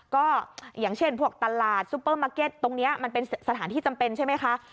ก็อย่างเช่นพวกตลาดซูเปอร์มาร์เก็ตตรงนี้มันเป็นสถานที่จำเป็นใช่ไหมคะ